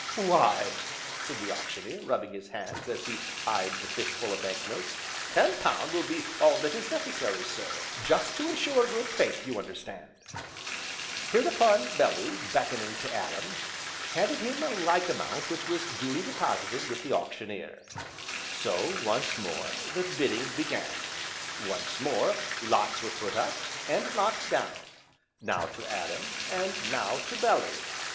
"Why," said the Auctioneer, rubbing his hands as he eyed the fistful of bank notes, "ten pound will be all that is necessary, sir, just to ensure good faith, you understand." Hereupon, Bellew beckoning to Adam, handed him a like amount which was duly deposited with the Auctioneer. So, once more, the bidding began, once more lots were put up, and knocked down now to Adam, and now to Bellew.